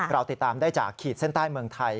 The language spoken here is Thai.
เราติดตามได้จากขีดเส้นใต้เมืองไทย